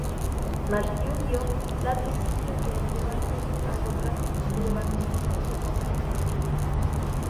Marción vio la atribución de este evangelio a Lucas el Evangelista como otra invención.